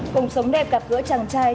cùng sống đẹp gặp gỡ chàng trai